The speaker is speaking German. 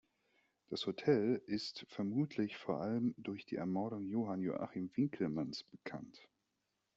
Das Hotel ist vermutlich vor allem durch die Ermordung Johann Joachim Winckelmanns bekannt.